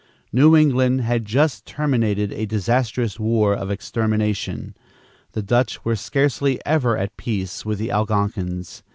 New England had just terminated a disastrous war of extermination. The Dutch were scarcely ever at peace with the Algonkins.